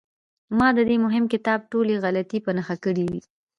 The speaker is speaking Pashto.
ما د دې مهم کتاب ټولې غلطۍ په نښه نه کړې.